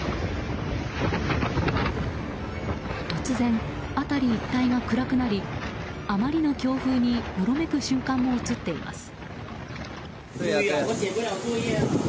突然、辺り一帯が暗くなりあまりの強風によろめく瞬間も映っています。